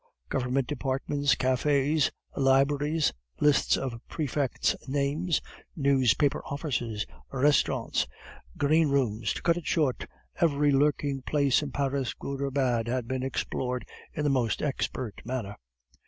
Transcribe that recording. Government departments, cafes, libraries, lists of prefects' names, newspaper offices, restaurants, greenrooms to cut it short, every lurking place in Paris, good or bad, has been explored in the most expert manner.